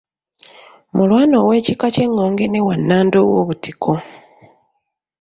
Mulwana ow'ekika ky'Engonge ne Wannanda ow'obutiko.